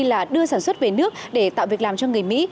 là đưa sản xuất về nước để tạo việc làm cho người mỹ